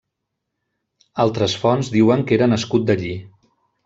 Altres fonts diuen que era nascut d'allí.